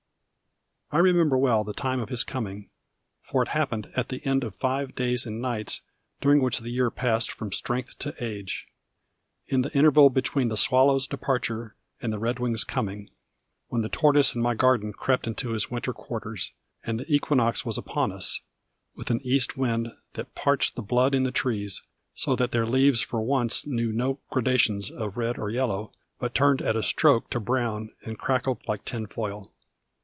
I remember well the time of his coming, for it happened at the end of five days and nights during which the year passed from strength to age; in the interval between the swallow's departure and the redwing's coming; when the tortoise in my garden crept into his winter quarters, and the equinox was on us, with an east wind that parched the blood in the trees, so that their leaves for once knew no gradations of red and yellow, but turned at a stroke to brown, and crackled like tin foil.